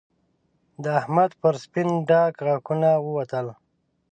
د احمد پر سپين ډاګ غاښونه ووتل